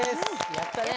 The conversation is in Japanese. やった！